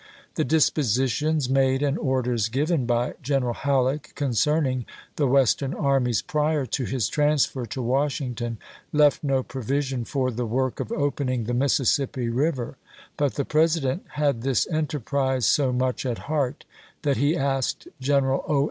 The dispositions made and orders given by General Halleck con cerning the Western armies prior to his transfer to Washington, left no provision for the work of opening the Mississippi Eiver; but the President had this enterprise so much at heart that he asked General O.